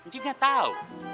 cing gak tau